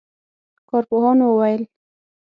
کارپوهانو وویل